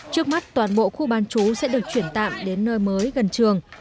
trước mắt toàn bộ khu bán chú sẽ được chuyển tạm đến nơi mới gần trường